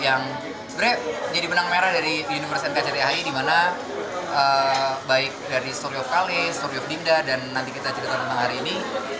yang sebenarnya jadi benang merah dari univers nkcti di mana baik dari story of kale story of dinda dan nanti kita cerita tentang hari ini